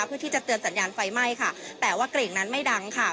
เพื่อที่จะเตือนสัญญาณไฟไหม้ค่ะแต่ว่ากลิ่งนั้นไม่ดังค่ะ